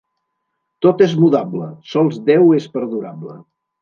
Tot és mudable: sols Déu és perdurable.